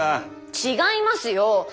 違いますよー。